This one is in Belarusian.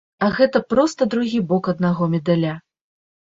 А гэта проста другі бок аднаго медаля.